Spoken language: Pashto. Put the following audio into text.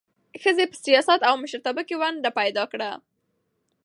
ښځې په سیاست او مشرتابه کې ونډه پیدا کړه.